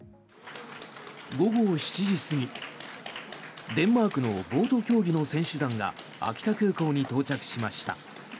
午後７時過ぎ、デンマークのボート競技の選手団が秋田空港に到着しました。